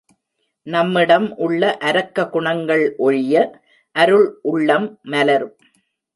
நம்மிடம் உள்ள அரக்க குணங்கள் ஒழிய அருள் உள்ளம் மலரும்.